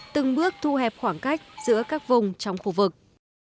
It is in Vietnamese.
từng bước thu hẹp khoảng cách giữa các vùng trong khu vực